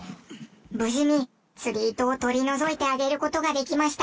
無事に釣り糸を取り除いてあげる事ができました。